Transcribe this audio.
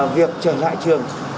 việc trở lại trường